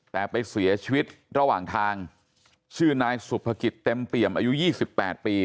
แต่ไปเสียชีวิตระหว่างทางชื่อนายสุภกิจเต็มเปี่ยมอายุ๒๘ปี